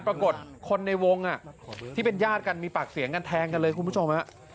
ปรากฏคนในวงที่เป็นญาติกันมีปากเสียงกันแทงกันเลยคุณผู้ชม